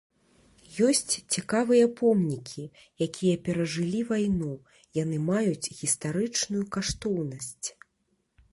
Ёсць цікавыя помнікі, якія перажылі вайну, яны маюць гістарычную каштоўнасць.